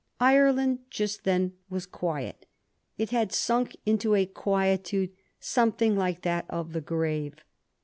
Ireland just then was quiet. It had sunk into ^ quietude something like that of the grave.